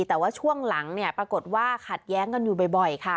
แต่ว่าช่วงหลังเนี่ยปรากฏว่าขัดแย้งกันอยู่บ่อยค่ะ